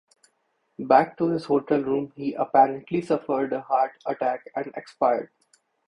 Back to his hotel room he apparently suffered a heart attack and expired.